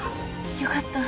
よかった。